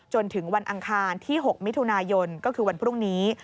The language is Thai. จนถึงวันอังคารที่๖มิถุนายนก็คือวันพรุ่งนี้